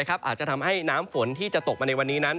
อาจจะทำให้น้ำฝนที่จะตกมาในวันนี้นั้น